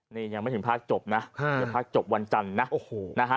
นี่ยังไม่ถึงพรรคจบนะพรรคจบวันจันทร์นะโอ้โหนะฮะ